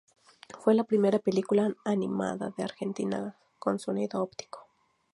Fue la primera película animada de Argentina con sonido óptico.